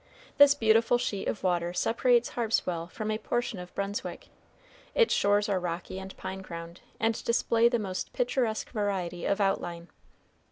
This beautiful sheet of water separates Harpswell from a portion of Brunswick. Its shores are rocky and pine crowned, and display the most picturesque variety of outline.